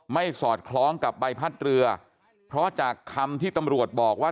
สอดคล้องกับใบพัดเรือเพราะจากคำที่ตำรวจบอกว่า